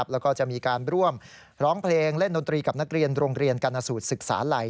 แล้วก็จะมีการร่วมร้องเพลงเล่นดนตรีกับนักเรียนโรงเรียนกรณสูตรศึกษาลัย